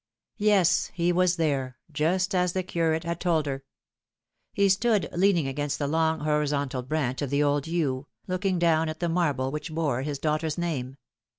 Yes, he was there, just as the curate had told her. He stood leaning against the long horizontal branch of the old yew, look ing down at the marble which bore his daughter's name.